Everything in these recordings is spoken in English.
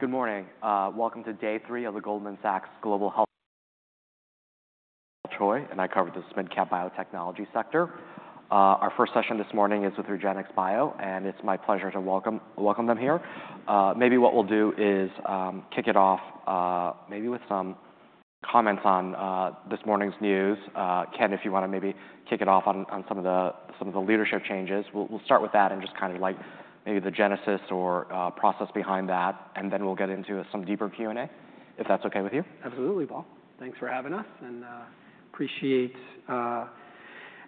Good morning. Welcome to day three of the Goldman Sachs Global Healthcare Conference, and I cover the mid-cap biotechnology sector. Our first session this morning is with REGENXBIO, and it's my pleasure to welcome them here. Maybe what we'll do is kick it off, maybe with some comments on this morning's news. Ken, if you want to maybe kick it off on some of the leadership changes. We'll start with that and just kind of like maybe the genesis or process behind that, and then we'll get into some deeper Q&A, if that's okay with you. Absolutely, Paul. Thanks for having us, and appreciate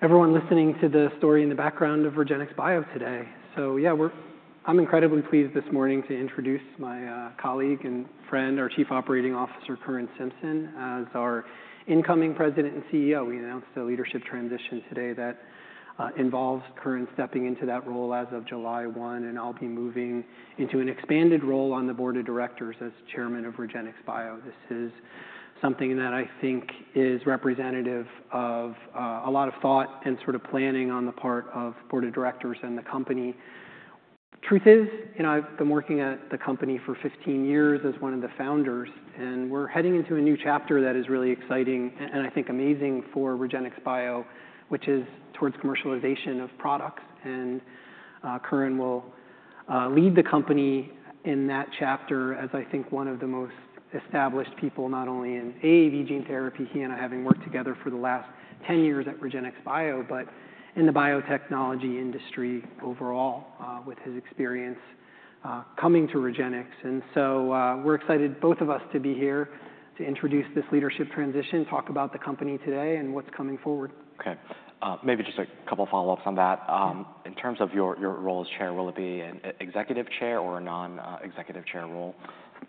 everyone listening to the story in the background of REGENXBIO today. So yeah, I'm incredibly pleased this morning to introduce my colleague and friend, our Chief Operating Officer, Curran Simpson, as our incoming President and CEO. We announced a leadership transition today that involves Curran stepping into that role as of July 1, and I'll be moving into an expanded role on the board of directors as Chairman of REGENXBIO. This is something that I think is representative of a lot of thought and sort of planning on the part of board of directors and the company. Truth is, you know, I've been working at the company for 15 years as one of the founders, and we're heading into a new chapter that is really exciting and I think amazing for REGENXBIO, which is towards commercialization of products. And Curran will lead the company in that chapter as I think one of the most established people, not only in AAV gene therapy, he and I having worked together for the last 10 years at REGENXBIO, but in the biotechnology industry overall, with his experience coming to REGENXBIO. And so, we're excited, both of us, to be here to introduce this leadership transition, talk about the company today and what's coming forward. Okay. Maybe just a couple follow-ups on that. In terms of your role as chair, will it be an executive chair or a non-executive chair role?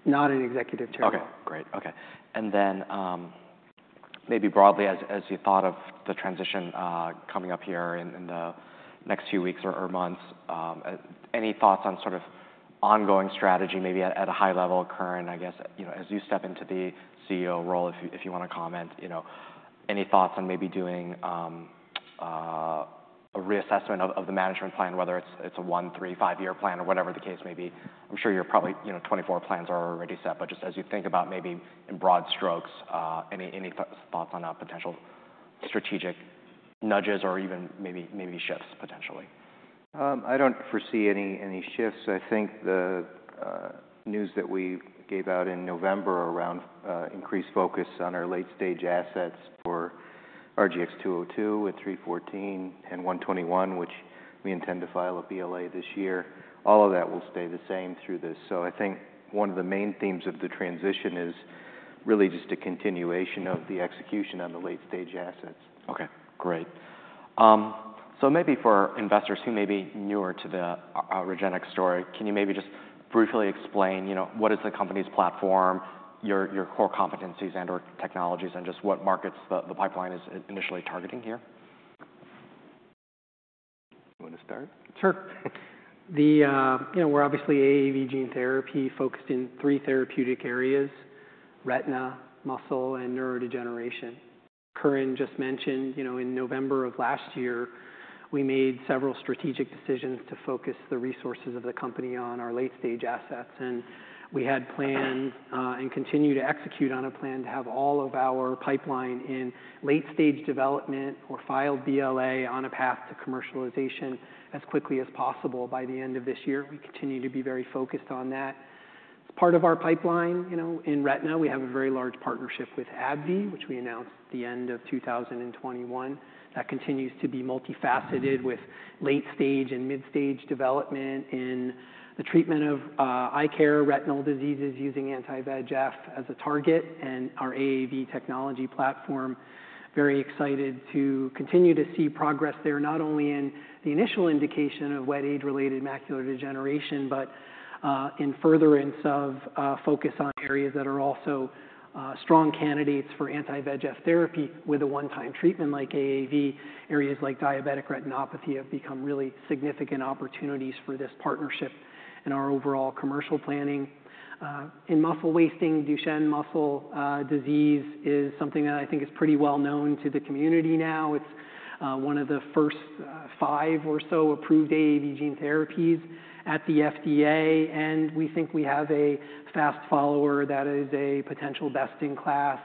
Not an executive chair role. Okay, great. Okay. And then, maybe broadly, as you thought of the transition, coming up here in the next few weeks or months, any thoughts on sort of ongoing strategy, maybe at a high level, Curran, I guess, you know, as you step into the CEO role, if you want to comment, you know, any thoughts on maybe doing a reassessment of the management plan, whether it's a one, three, five-year plan or whatever the case may be? I'm sure you're probably, you know, 2024 plans are already set, but just as you think about maybe in broad strokes, any thoughts on potential strategic nudges or even maybe shifts potentially? I don't foresee any shifts. I think the news that we gave out in November around increased focus on our late-stage assets for RGX-202 and RGX-314 and RGX-121, which we intend to file a BLA this year, all of that will stay the same through this. So I think one of the main themes of the transition is really just a continuation of the execution on the late-stage assets. Okay, great. So maybe for investors who may be newer to the, REGENXBIO story, can you maybe just briefly explain, you know, what is the company's platform, your, your core competencies and/or technologies, and just what markets the, the pipeline is, is initially targeting here? You want to start? Sure. You know, we're obviously AAV gene therapy focused in three therapeutic areas: retina, muscle, and neurodegeneration. Curran just mentioned, you know, in November of last year, we made several strategic decisions to focus the resources of the company on our late-stage assets, and we had plans and continue to execute on a plan to have all of our pipeline in late-stage development or file BLA on a path to commercialization as quickly as possible by the end of this year. We continue to be very focused on that. As part of our pipeline, you know, in retina, we have a very large partnership with AbbVie, which we announced at the end of 2021. That continues to be multifaceted, with late-stage and mid-stage development in the treatment of eye care, retinal diseases, using anti-VEGF as a target and our AAV technology platform. Very excited to continue to see progress there, not only in the initial indication of wet age-related macular degeneration, but in furtherance of focus on areas that are also strong candidates for anti-VEGF therapy with a one-time treatment like AAV. Areas like diabetic retinopathy have become really significant opportunities for this partnership and our overall commercial planning. In muscle wasting, Duchenne muscular dystrophy is something that I think is pretty well known to the community now. It's one of the first five or so approved AAV gene therapies at the FDA, and we think we have a fast follower that is a potential best-in-class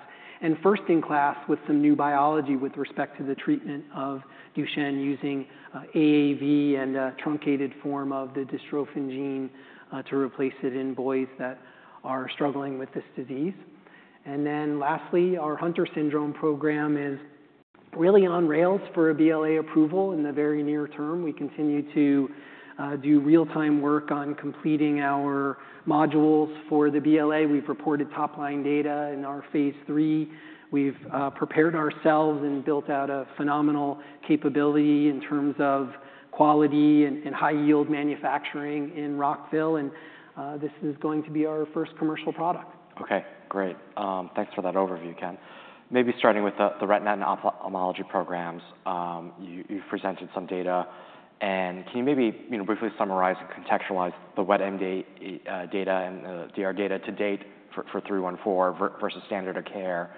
and first-in-class with some new biology with respect to the treatment of Duchenne, using AAV and a truncated form of the dystrophin gene to replace it in boys that are struggling with this disease. And then lastly, our Hunter syndrome program is really on rails for a BLA approval in the very near term. We continue to do real-time work on completing our modules for the BLA. We've reported top-line data in our phase III. We've prepared ourselves and built out a phenomenal capability in terms of quality and high-yield manufacturing in Rockville, and this is going to be our first commercial product. Okay, great. Thanks for that overview, Ken. Maybe starting with the retina and ophthalmology programs, you've presented some data, and can you maybe, you know, briefly summarize and contextualize the wet AMD data and the DR data to date for 314 versus standard of care?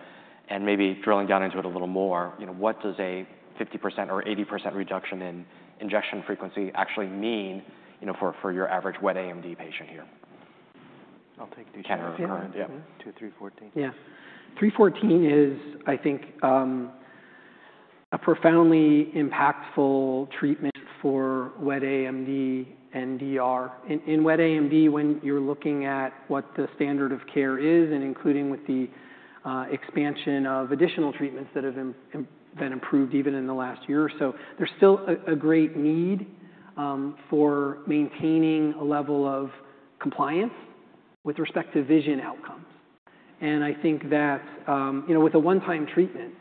And maybe drilling down into it a little more, you know, what does a 50% or 80% reduction in injection frequency actually mean, you know, for your average wet AMD patient here? I'll take Ken or, yeah, to 314. Yeah. RGX-314 is, I think, a profoundly impactful treatment for wet AMD and DR. In wet AMD, when you're looking at what the standard of care is, and including with the expansion of additional treatments that have been improved even in the last year or so, there's still a great need for maintaining a level of compliance with respect to vision outcomes. And I think that, you know, with a one-time treatment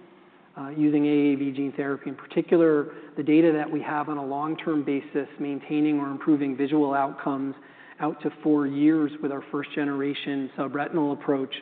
using AAV gene therapy, in particular, the data that we have on a long-term basis, maintaining or improving visual outcomes out to 4 years with our first-generation subretinal approach,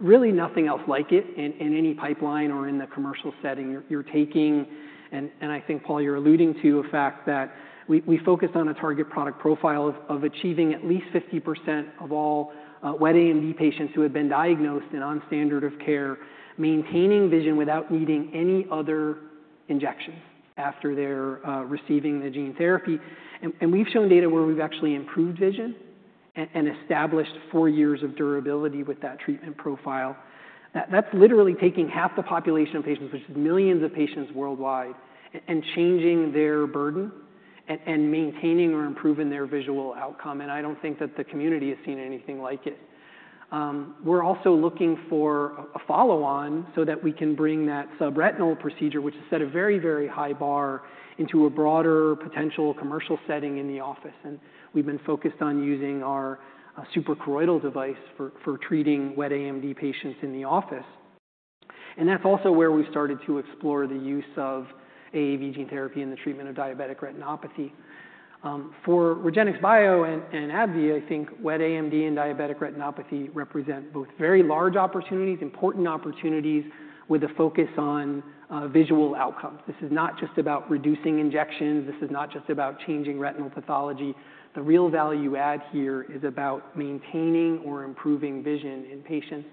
really nothing else like it in any pipeline or in the commercial setting you're taking. I think, Paul, you're alluding to a fact that we focused on a target product profile of achieving at least 50% of all wet AMD patients who have been diagnosed and on standard of care, maintaining vision without needing any other injections after they're receiving the gene therapy. We've shown data where we've actually improved vision and established 4 years of durability with that treatment profile. That's literally taking half the population of patients, which is millions of patients worldwide, and changing their burden and maintaining or improving their visual outcome, and I don't think that the community has seen anything like it. We're also looking for a follow-on so that we can bring that subretinal procedure, which has set a very, very high bar, into a broader potential commercial setting in the office. And we've been focused on using our suprachoroidal device for treating wet AMD patients in the office. And that's also where we started to explore the use of AAV gene therapy in the treatment of diabetic retinopathy. For REGENXBIO and AbbVie, I think wet AMD and diabetic retinopathy represent both very large opportunities, important opportunities, with a focus on visual outcomes. This is not just about reducing injections. This is not just about changing retinal pathology. The real value add here is about maintaining or improving vision in patients,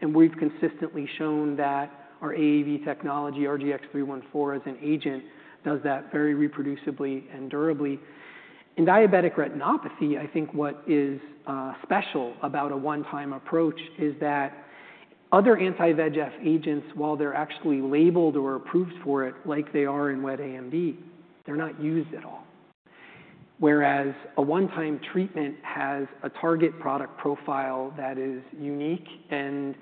and we've consistently shown that our AAV technology, RGX-314, as an agent, does that very reproducibly and durably. In diabetic retinopathy, I think what is special about a one-time approach is that other anti-VEGF agents, while they're actually labeled or approved for it, like they are in wet AMD, they're not used at all. Whereas a one-time treatment has a target product profile that is unique and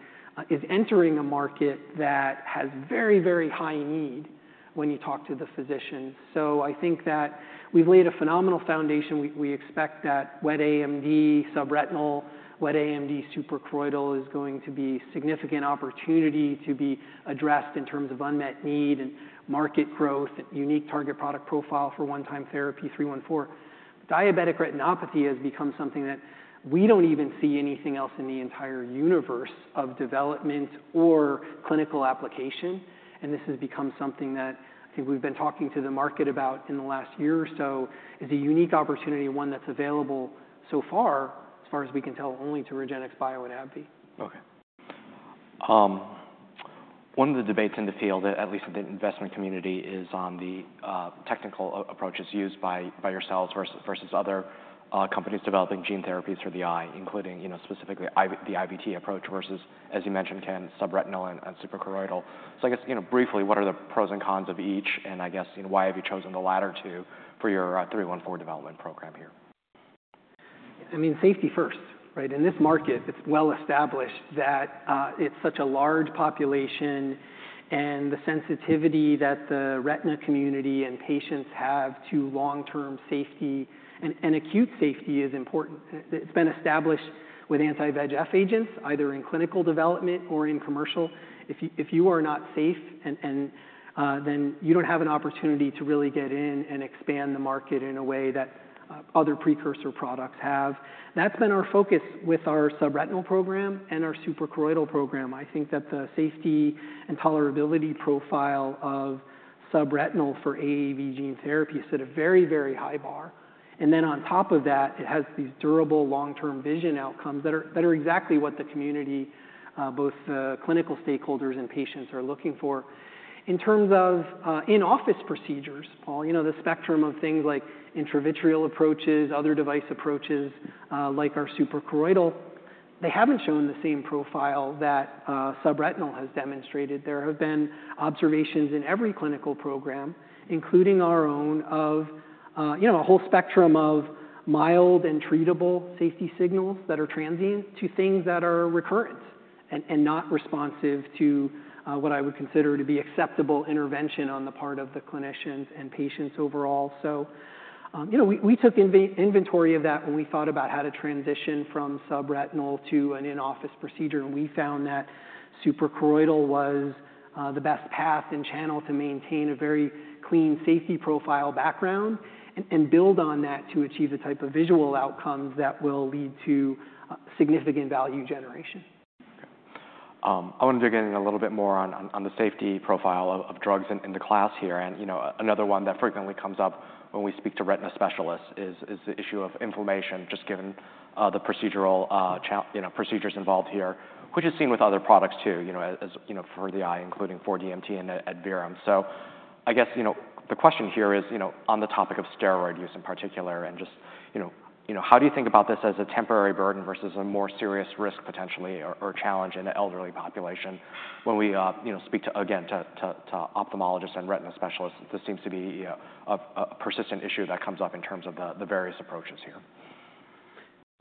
is entering a market that has very, very high need when you talk to the physicians. So I think that we've laid a phenomenal foundation. We expect that wet AMD, subretinal wet AMD, suprachoroidal is going to be a significant opportunity to be addressed in terms of unmet need and market growth and unique target product profile for one-time therapy, 314. Diabetic retinopathy has become something that we don't even see anything else in the entire universe of development or clinical application, and this has become something that I think we've been talking to the market about in the last year or so, is a unique opportunity, and one that's available so far, as far as we can tell, only to REGENXBIO and AbbVie. Okay. One of the debates in the field, at least in the investment community, is on the technical approaches used by yourselves versus other companies developing gene therapies for the eye, including, you know, specifically the IVT approach versus, as you mentioned, Ken, subretinal and suprachoroidal. So I guess, you know, briefly, what are the pros and cons of each, and I guess, you know, why have you chosen the latter two for your 314 development program here? I mean, safety first, right? In this market, it's well established that it's such a large population, and the sensitivity that the retina community and patients have to long-term safety and acute safety is important. It's been established with anti-VEGF agents, either in clinical development or in commercial. If you are not safe, and then you don't have an opportunity to really get in and expand the market in a way that other precursor products have. That's been our focus with our subretinal program and our suprachoroidal program. I think that the safety and tolerability profile of subretinal for AAV gene therapy set a very, very high bar, and then on top of that, it has these durable long-term vision outcomes that are exactly what the community both the clinical stakeholders and patients are looking for. In terms of in-office procedures, Paul, you know, the spectrum of things like intravitreal approaches, other device approaches, like our suprachoroidal, they haven't shown the same profile that subretinal has demonstrated. There have been observations in every clinical program, including our own, of, you know, a whole spectrum of mild and treatable safety signals that are transient, to things that are recurrent and not responsive to what I would consider to be acceptable intervention on the part of the clinicians and patients overall. So, you know, we took inventory of that when we thought about how to transition from subretinal to an in-office procedure, and we found that suprachoroidal was the best path and channel to maintain a very clean safety profile background and build on that to achieve the type of visual outcomes that will lead to significant value generation. Okay. I want to dig in a little bit more on the safety profile of drugs in the class here, and, you know, another one that frequently comes up when we speak to retina specialists is the issue of inflammation, just given the procedural, you know, procedures involved here, which is seen with other products too, you know, as, as, you know, for the eye, including 4DMT and Adverum. I guess, you know, the question here is, you know, on the topic of steroid use in particular, and just, you know, you know, how do you think about this as a temporary burden versus a more serious risk potentially or, or challenge in the elderly population? When we, you know, speak to, again, to ophthalmologists and retina specialists, this seems to be a persistent issue that comes up in terms of the various approaches here.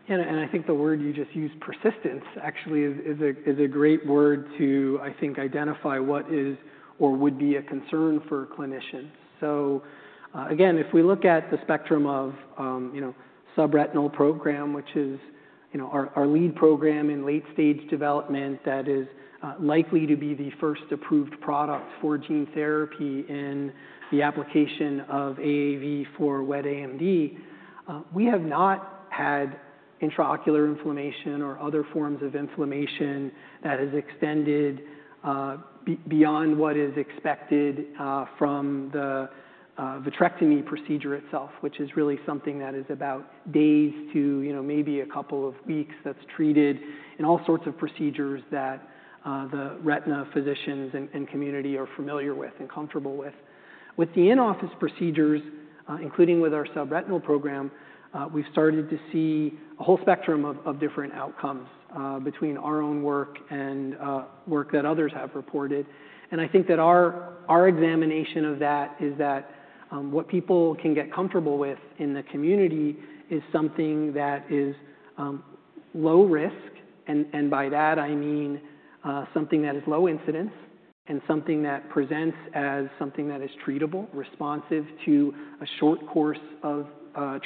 Yeah, and I think the word you just used, persistence, actually is a great word to, I think, identify what is or would be a concern for clinicians. So, again, if we look at the spectrum of, you know, subretinal program, which is, you know, our lead program in late stage development, that is likely to be the first approved product for gene therapy in the application of AAV for wet AMD. We have not had intraocular inflammation or other forms of inflammation that has extended beyond what is expected from the vitrectomy procedure itself, which is really something that is about days to, you know, maybe a couple of weeks, that's treated in all sorts of procedures that the retina physicians and community are familiar with and comfortable with. With the in-office procedures, including with our subretinal program, we've started to see a whole spectrum of different outcomes between our own work and work that others have reported. And I think that our examination of that is that what people can get comfortable with in the community is something that is low risk, and by that I mean something that is low incidence and something that presents as something that is treatable, responsive to a short course of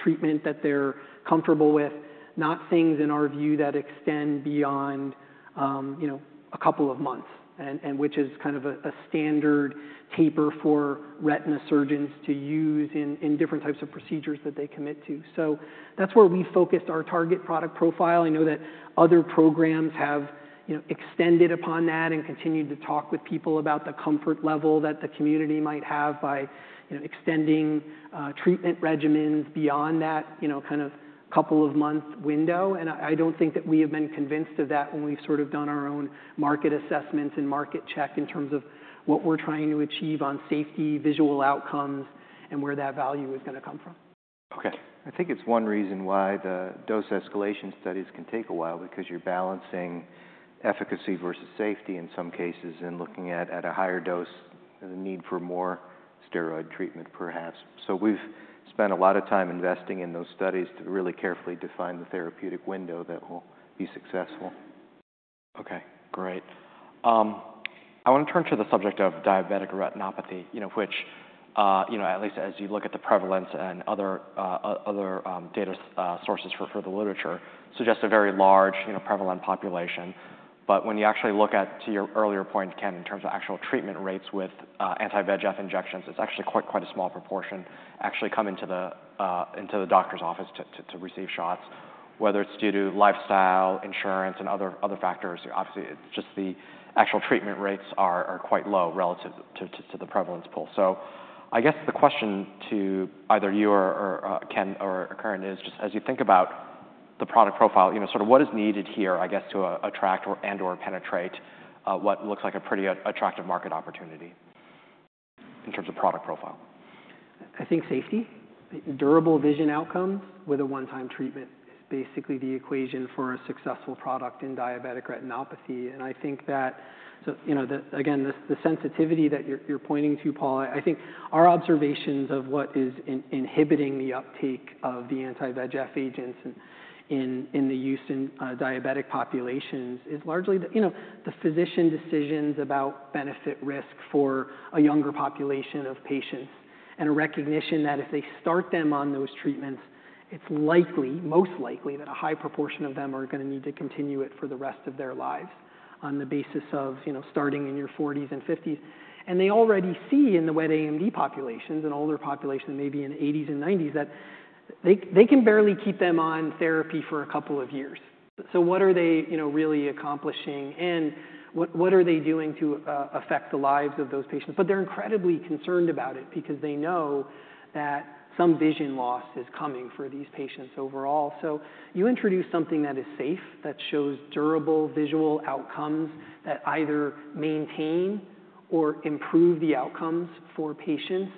treatment that they're comfortable with, not things in our view that extend beyond, you know, a couple of months, and which is kind of a standard taper for retina surgeons to use in different types of procedures that they commit to. So that's where we focused our target product profile. I know that other programs have, you know, extended upon that and continued to talk with people about the comfort level that the community might have by, you know, extending treatment regimens beyond that, you know, kind of couple of months window. And I don't think that we have been convinced of that when we've sort of done our own market assessments and market check in terms of what we're trying to achieve on safety, visual outcomes, and where that value is going to come from. Okay. I think it's one reason why the dose escalation studies can take a while, because you're balancing efficacy versus safety in some cases, and looking at, at a higher dose, the need for more steroid treatment, perhaps. So we've spent a lot of time investing in those studies to really carefully define the therapeutic window that will be successful. Okay, great. I want to turn to the subject of diabetic retinopathy, you know, which, you know, at least as you look at the prevalence and other data sources for the literature, suggests a very large, you know, prevalent population. But when you actually look at, to your earlier point, Ken, in terms of actual treatment rates with anti-VEGF injections, it's actually quite a small proportion actually come into the doctor's office to receive shots, whether it's due to lifestyle, insurance, and other factors. Obviously, it's just the actual treatment rates are quite low relative to the prevalence pool. So I guess the question to either you or Ken or Curran is just as you think about the product profile, you know, sort of what is needed here, I guess, to attract or and/or penetrate what looks like a pretty attractive market opportunity in terms of product profile? I think safety, durable vision outcomes with a one-time treatment is basically the equation for a successful product in diabetic retinopathy. And I think that the, you know, the, again, the sensitivity that you're pointing to, Paul, I think our observations of what is inhibiting the uptake of the anti-VEGF agents in the use in diabetic populations is largely the, you know, the physician decisions about benefit risk for a younger population of patients, and a recognition that if they start them on those treatments, it's likely, most likely, that a high proportion of them are going to need to continue it for the rest of their lives on the basis of, you know, starting in your forties and fifties. They already see in the wet AMD populations, an older population, maybe in eighties and nineties, that they, they can barely keep them on therapy for a couple of years. What are they, you know, really accomplishing, and what, what are they doing to affect the lives of those patients? They're incredibly concerned about it because they know that some vision loss is coming for these patients overall. You introduce something that is safe, that shows durable visual outcomes, that either maintain or improve the outcomes for patients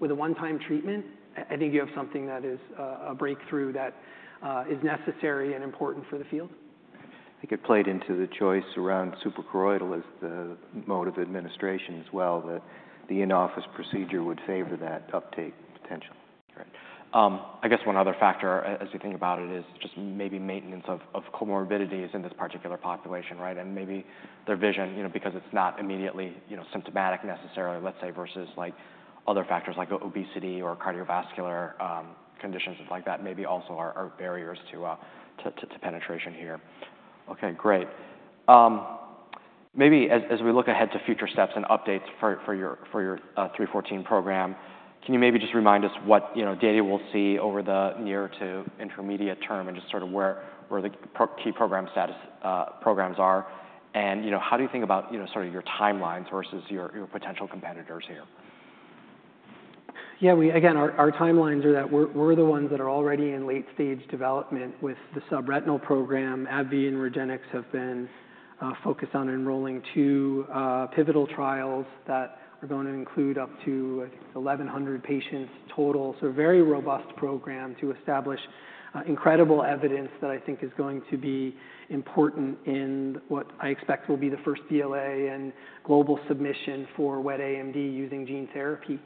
with a one-time treatment, I think you have something that is a breakthrough that is necessary and important for the field. I think it played into the choice around suprachoroidal as the mode of administration as well, that the in-office procedure would favor that uptake potentially. Great. I guess one other factor as you think about it, is just maybe maintenance of comorbidities in this particular population, right? And maybe their vision, you know, because it's not immediately, you know, symptomatic necessarily, let's say, versus like other factors, like obesity or cardiovascular conditions like that, maybe also are barriers to penetration here. Okay, great. Maybe as we look ahead to future steps and updates for your 314 program, can you maybe just remind us what, you know, data we'll see over the near to intermediate term and just sort of where the program's key program status programs are? And, you know, how do you think about, you know, sort of your timelines versus your potential competitors here? Yeah, we, again, our timelines are that we're the ones that are already in late-stage development with the subretinal program. AbbVie and REGENXBIO have been focused on enrolling two pivotal trials that are going to include up to 1,100 patients total. So a very robust program to establish incredible evidence that I think is going to be important in what I expect will be the first BLA and global submission for wet AMD using gene therapy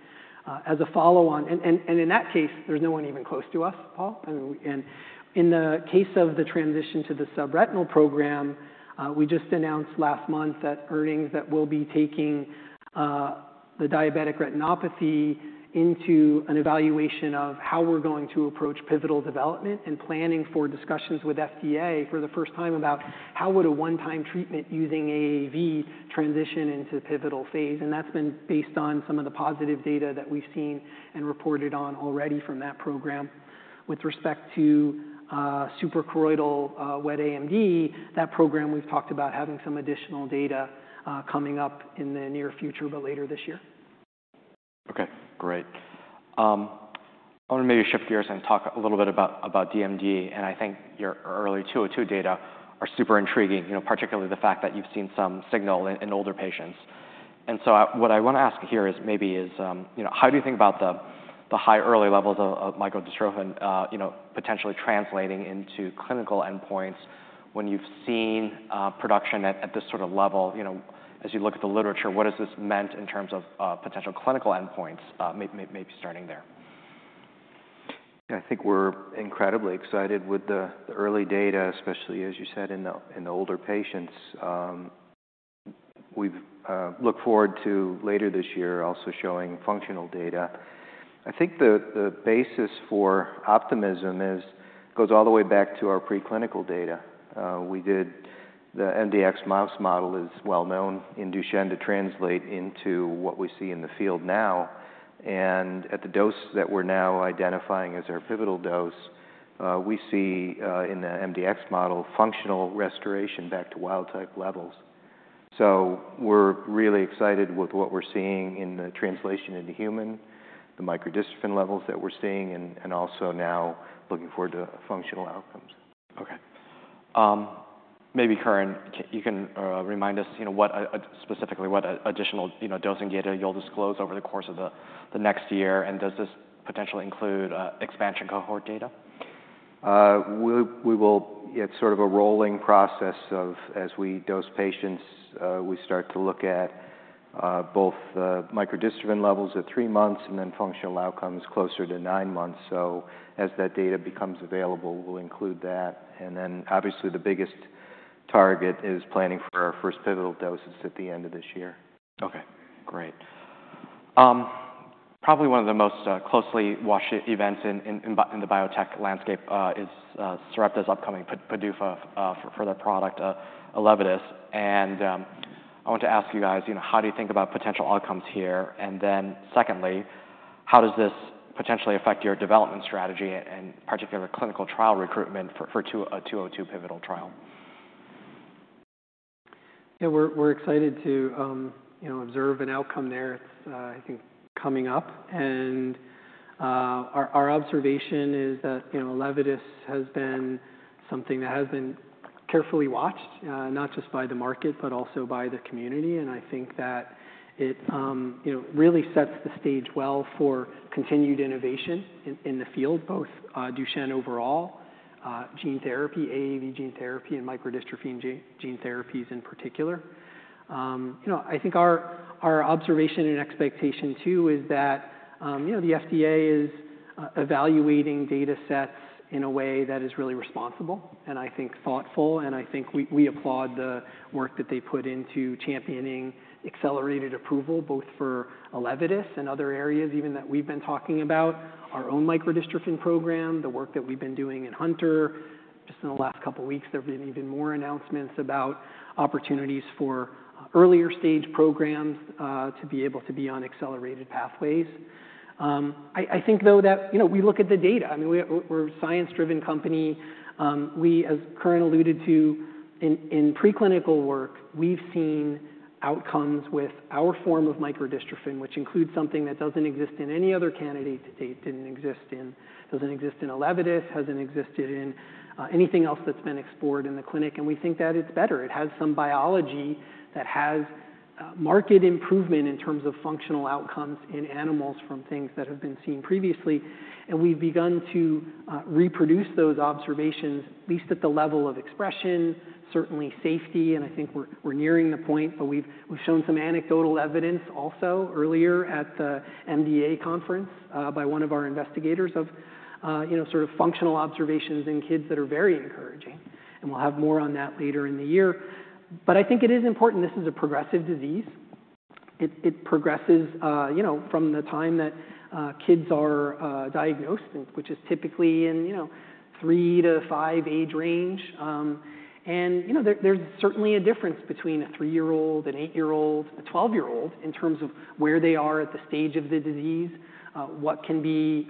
as a follow-on. And in that case, there's no one even close to us, Paul. And in the case of the transition to the subretinal program, we just announced last month at earnings that we'll be taking the diabetic retinopathy into an evaluation of how we're going to approach pivotal development and planning for discussions with FDA for the first time about how would a one-time treatment using AAV transition into the pivotal phase? And that's been based on some of the positive data that we've seen and reported on already from that program. With respect to suprachoroidal wet AMD, that program we've talked about having some additional data coming up in the near future, but later this year. Okay, great. I want to maybe shift gears and talk a little bit about, about DMD, and I think your early 202 data are super intriguing, you know, particularly the fact that you've seen some signal in, in older patients. And so what I want to ask here is, maybe, you know, how do you think about the, the high early levels of, of microdystrophin, you know, potentially translating into clinical endpoints when you've seen, production at, at this sort of level? You know, as you look at the literature, what has this meant in terms of, potential clinical endpoints, maybe starting there? I think we're incredibly excited with the early data, especially, as you said, in the older patients. We've looked forward to later this year also showing functional data. I think the basis for optimism is, goes all the way back to our preclinical data. The mdx mouse model is well known in Duchenne to translate into what we see in the field now, and at the dose that we're now identifying as our pivotal dose, we see, in the mdx model, functional restoration back to wild-type levels. So we're really excited with what we're seeing in the translation into human, the microdystrophin levels that we're seeing, and also now looking forward to functional outcomes. Okay. Maybe, Curran, you can remind us, you know, what specifically what additional, you know, dosing data you'll disclose over the course of the next year, and does this potentially include expansion cohort data? It's sort of a rolling process of, as we dose patients, we start to look at both the microdystrophin levels at three months and then functional outcomes closer to nine months. So as that data becomes available, we'll include that. And then, obviously, the biggest target is planning for our first pivotal doses at the end of this year. Okay, great. Probably one of the most closely watched events in the biotech landscape is Sarepta's upcoming PDUFA for their product Elevidys. And I want to ask you guys, you know, how do you think about potential outcomes here? And then secondly, how does this potentially affect your development strategy and particularly the clinical trial recruitment for 202 pivotal trial? Yeah, we're excited to, you know, observe an outcome there. It's, I think, coming up, and, our observation is that, you know, Elevidys has been something that has been carefully watched, not just by the market, but also by the community. And I think that it, you know, really sets the stage well for continued innovation in, in the field, both, Duchenne overall, gene therapy, AAV gene therapy, and microdystrophin gene therapies in particular. You know, I think our our observation and expectation, too, is that, you know, the FDA is evaluating data sets in a way that is really responsible and I think thoughtful, and I think we, we applaud the work that they put into championing accelerated approval, both for Elevidys and other areas even that we've been talking about, our own microdystrophin program, the work that we've been doing in Hunter. Just in the last couple weeks, there have been even more announcements about opportunities for earlier stage programs to be able to be on accelerated pathways. I, I think, though, that, you know, we look at the data. I mean, we're, we're a science-driven company. We, as Curran alluded to, in preclinical work, we've seen outcomes with our form of microdystrophin, which includes something that doesn't exist in any other candidate to date, didn't exist in-- doesn't exist in Elevidys, hasn't existed in anything else that's been explored in the clinic, and we think that it's better. It has some biology that has marked improvement in terms of functional outcomes in animals from things that have been seen previously, and we've begun to reproduce those observations, at least at the level of expression, certainly safety, and I think we're nearing the point, but we've shown some anecdotal evidence also earlier at the MDA conference by one of our investigators of you know, sort of functional observations in kids that are very encouraging, and we'll have more on that later in the year. But I think it is important. This is a progressive disease. It progresses, you know, from the time that kids are diagnosed, and which is typically in, you know, 3-5 age range. And, you know, there is certainly a difference between a 3-year-old, an 8-year-old, a 12-year-old, in terms of where they are at the stage of the disease, what can be,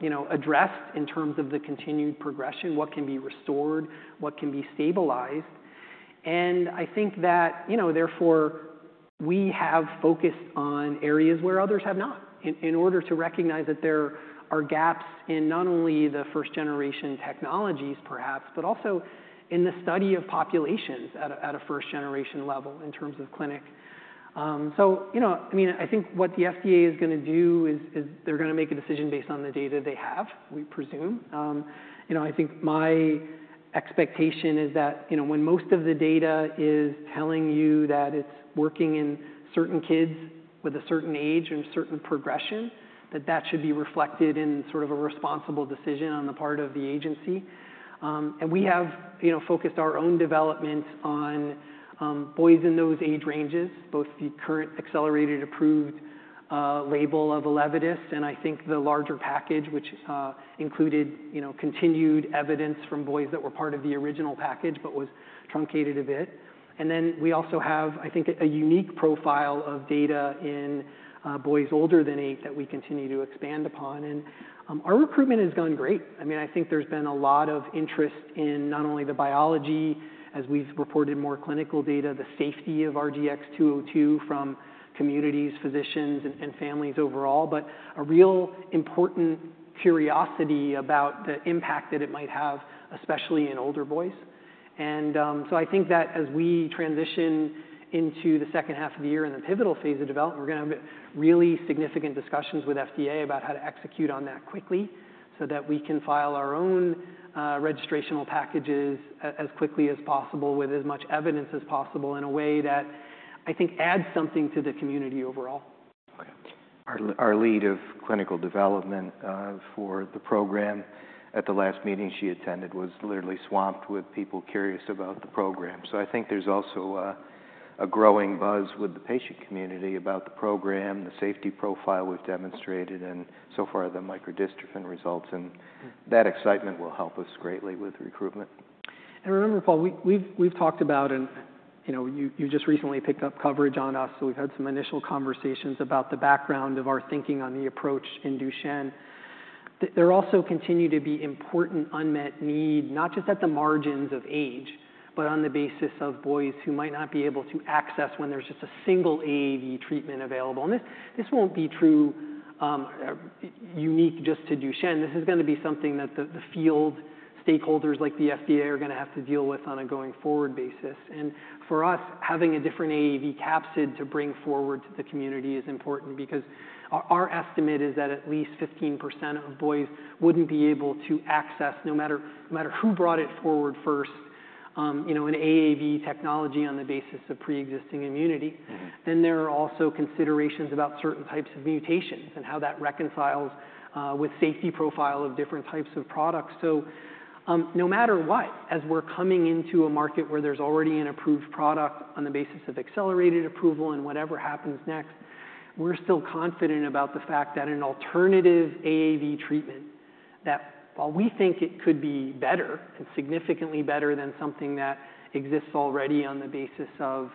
you know, addressed in terms of the continued progression, what can be restored, what can be stabilized. And I think that, you know, therefore, we have focused on areas where others have not, in order to recognize that there are gaps in not only the first generation technologies perhaps, but also in the study of populations at a first generation level in terms of clinic. So you know, I mean, I think what the FDA is gonna do is they're gonna make a decision based on the data they have, we presume. You know, I think my expectation is that, you know, when most of the data is telling you that it's working in certain kids with a certain age and a certain progression, that that should be reflected in sort of a responsible decision on the part of the agency. And we have, you know, focused our own development on boys in those age ranges, both the current accelerated approved label of Elevidys, and I think the larger package, which included, you know, continued evidence from boys that were part of the original package but was truncated a bit. And then we also have, I think, a unique profile of data in boys older than eight that we continue to expand upon. Our recruitment has gone great. I mean, I think there's been a lot of interest in not only the biology, as we've reported more clinical data, the safety of RGX-202 from communities, physicians, and families overall, but a real important curiosity about the impact that it might have, especially in older boys. And, so I think that as we transition into the second half of the year and the pivotal phase of development, we're gonna have really significant discussions with FDA about how to execute on that quickly so that we can file our own registrational packages as quickly as possible with as much evidence as possible, in a way that I think adds something to the community overall. Our our lead of clinical development, for the program at the last meeting she attended, was literally swamped with people curious about the program. So I think there's also a growing buzz with the patient community about the program, the safety profile we've demonstrated, and so far, the microdystrophin results, and that excitement will help us greatly with recruitment. And remember, Paul, we've talked about, and you know, you just recently picked up coverage on us, so we've had some initial conversations about the background of our thinking on the approach in Duchenne. There also continue to be important unmet need, not just at the margins of age, but on the basis of boys who might not be able to access when there's just a single AAV treatment available. And this won't be true unique just to Duchenne. This is gonna be something that the field stakeholders like the FDA are gonna have to deal with on a going forward basis. For us, having a different AAV capsid to bring forward to the community is important because our estimate is that at least 15% of boys wouldn't be able to access, no matter who brought it forward first, you know, an AAV technology on the basis of pre-existing immunity. Mm-hmm. Then there are also considerations about certain types of mutations and how that reconciles with safety profile of different types of products. So, no matter what, as we're coming into a market where there's already an approved product on the basis of accelerated approval and whatever happens next, we're still confident about the fact that an alternative AAV treatment, that while we think it could be better, it's significantly better than something that exists already on the basis of,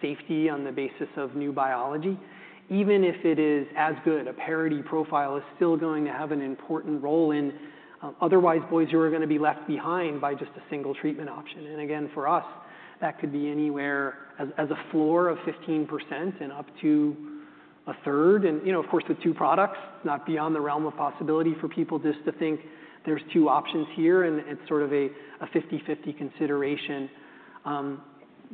safety, on the basis of new biology, even if it is as good, a parity profile is still going to have an important role in, otherwise boys who are gonna be left behind by just a single treatment option. And again, for us, that could be anywhere as, as a floor of 15% and up to a third. And you know, of course, with two products, not beyond the realm of possibility for people just to think there's two options here, and it's sort of a 50/50 consideration.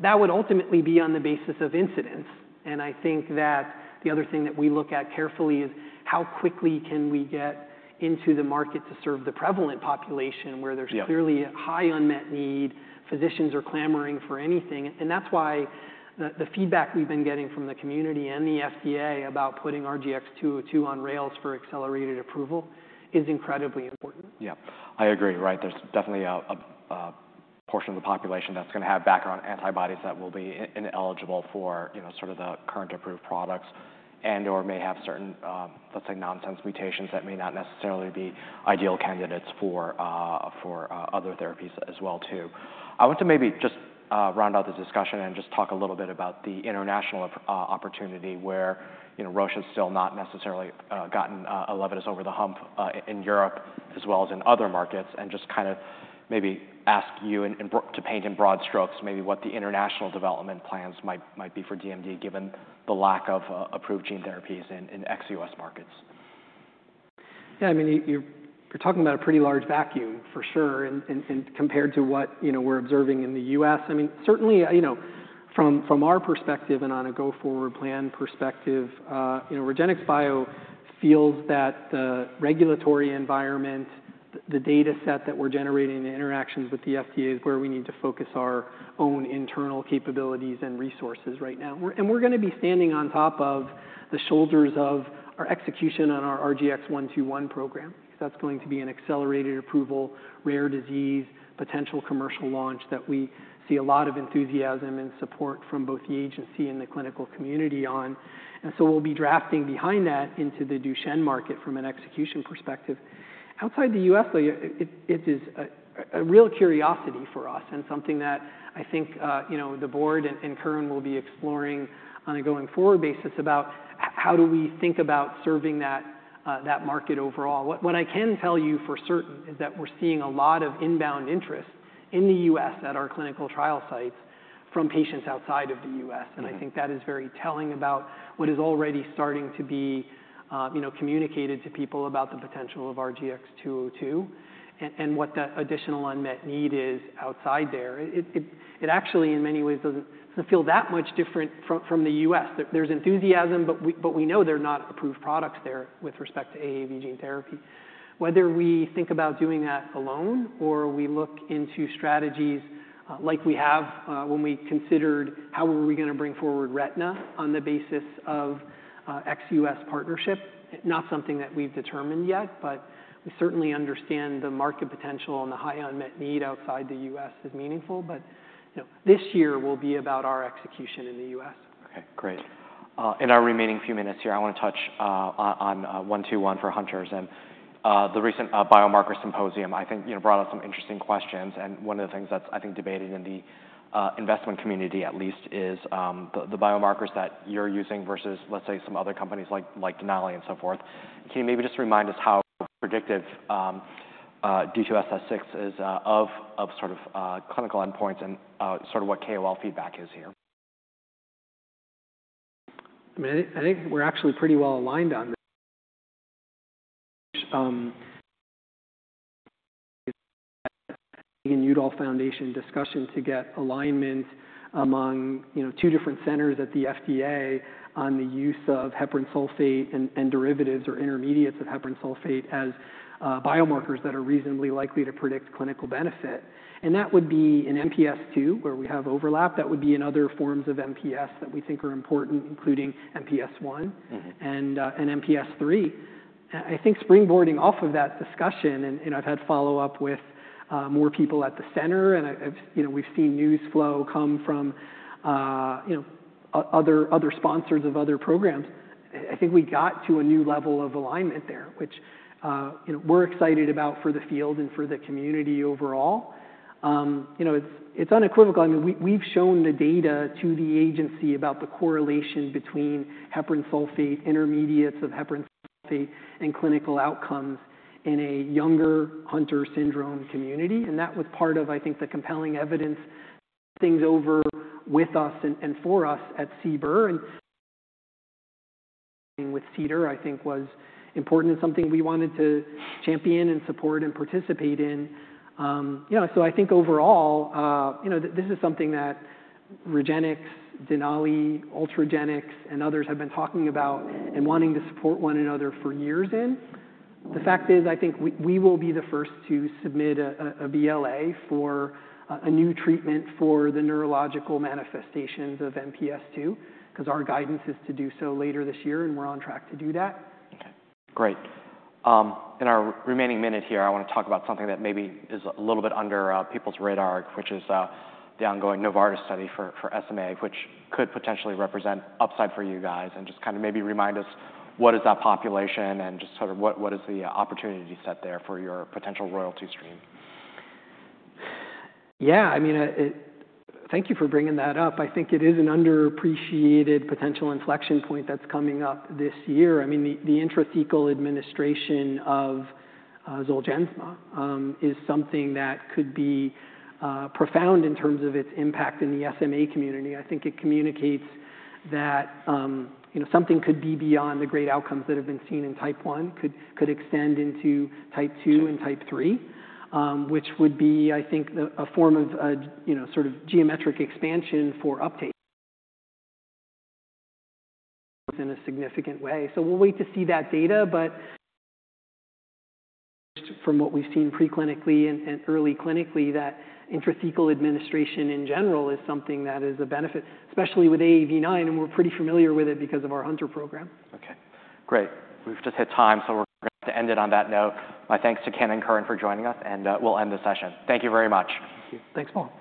That would ultimately be on the basis of incidence. And I think that the other thing that we look at carefully is how quickly can we get into the market to serve the prevalent population- Yeah. -where there's clearly a high unmet need, physicians are clamoring for anything? And that's why the feedback we've been getting from the community and the FDA about putting RGX-202 on rails for accelerated approval is incredibly important. Yeah, I agree. Right, there's definitely a portion of the population that's gonna have background antibodies that will be ineligible for, you know, sort of the current approved products and/or may have certain, let's say, nonsense mutations that may not necessarily be ideal candidates for other therapies as well too. I want to maybe just round out the discussion and just talk a little bit about the international opportunity where, you know, Roche has still not necessarily gotten Elevidys over the hump in Europe as well as in other markets, and just kind of maybe ask you to paint in broad strokes maybe what the international development plans might be for DMD, given the lack of approved gene therapies in ex-US markets. Yeah, I mean, you're talking about a pretty large vacuum, for sure, and compared to what, you know, we're observing in the US. I mean, certainly, you know, from our perspective and on a go-forward plan perspective, REGENXBIO feels that the regulatory environment, the data set that we're generating, the interactions with the FDA, is where we need to focus our own internal capabilities and resources right now. We're gonna be standing on top of the shoulders of our execution on our RGX-121 program. That's going to be an accelerated approval, rare disease, potential commercial launch that we see a lot of enthusiasm and support from both the agency and the clinical community on. And so we'll be drafting behind that into the Duchenne market from an execution perspective. Outside the US, though, it is a real curiosity for us and something that I think, you know, the board and Curran will be exploring on a going-forward basis about how do we think about serving that market overall? What I can tell you for certain is that we're seeing a lot of inbound interest in the US at our clinical trial sites from patients outside of the US. Mm-hmm. I think that is very telling about what is already starting to be, you know, communicated to people about the potential of RGX-202, and what that additional unmet need is outside there. It actually, in many ways, doesn't feel that much different from the U.S. There's enthusiasm, but we know they're not approved products there with respect to AAV gene therapy. Whether we think about doing that alone or we look into strategies like we have when we considered how were we gonna bring forward retina on the basis of ex-U.S. partnership, not something that we've determined yet, but we certainly understand the market potential and the high unmet need outside the U.S. is meaningful. But, you know, this year will be about our execution in the U.S. Okay, great. In our remaining few minutes here, I want to touch on 121 for Hunter's and the recent Biomarker Symposium, I think, you know, brought up some interesting questions. One of the things that's, I think, debated in the investment community at least is the biomarkers that you're using versus, let's say, some other companies like Denali and so forth. Can you maybe just remind us how predictive D2S6 is of sort of clinical endpoints and sort of what KOL feedback is here? I mean, I think we're actually pretty well aligned on this. In Udall Foundation discussion to get alignment among, you know, two different centers at the FDA on the use of heparan sulfate and derivatives or intermediates of heparan sulfate as biomarkers that are reasonably likely to predict clinical benefit. And that would be in MPS II, where we have overlap. That would be in other forms of MPS that we think are important, including MPS I- Mm-hmm. -and MPS III. I think springboarding off of that discussion, and, you know, I've had follow-up with more people at the center, and I've, you know, we've seen news flow come from, you know, other sponsors of other programs. I think we got to a new level of alignment there, which, you know, we're excited about for the field and for the community overall. You know, it's unequivocal. I mean, we've shown the data to the agency about the correlation between heparan sulfate, intermediates of heparan sulfate, and clinical outcomes in a younger Hunter syndrome community. And that was part of, I think, the compelling evidence things over with us and for us at CBER. And with CDER, I think, was important and something we wanted to champion and support and participate in. You know, so I think overall, you know, this is something that REGENXBIO, Denali, Ultragenyx, and others have been talking about and wanting to support one another for years in. The fact is, I think we will be the first to submit a BLA for a new treatment for the neurological manifestations of MPS II, 'cause our guidance is to do so later this year, and we're on track to do that. Okay, great. In our remaining minute here, I want to talk about something that maybe is a little bit under people's radar, which is the ongoing Novartis study for SMA, which could potentially represent upside for you guys. And just kind of maybe remind us, what is that population, and just sort of what is the opportunity set there for your potential royalty stream? Yeah, I mean, thank you for bringing that up. I think it is an underappreciated potential inflection point that's coming up this year. I mean, the intrathecal administration of Zolgensma is something that could be profound in terms of its impact in the SMA community. I think it communicates that, you know, something could be beyond the great outcomes that have been seen in type I, could extend into type II- Sure -and type III. Which would be, I think, the a form of a, you know, sort of geometric expansion for update in a significant way. So we'll wait to see that data, but from what we've seen pre-clinically and early clinically, that intrathecal administration in general is something that is a benefit, especially with AAV9, and we're pretty familiar with it because of our Hunter program. Okay, great. We've just hit time, so we're going to end it on that note. My thanks to Ken and Curran for joining us, and we'll end the session. Thank you very much. Thank you. Thanks, Paul.